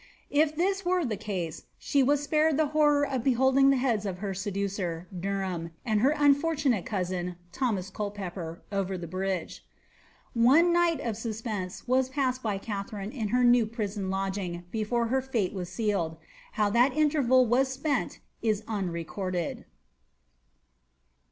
If this were the case, she was spared the horror of behold the heads of her seducer, Derham, and her unfortunate cousin, omas Culpepper, over the bridge. One night of suspense was passed Katharine in her new prison lodging before her fate was sealed. w that interval was spent, is unrecorded.